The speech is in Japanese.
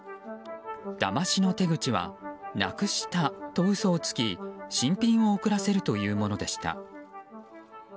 だましの手口は「なくした」と嘘をつき新品を送らせるというものでした。